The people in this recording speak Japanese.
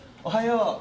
おはよう。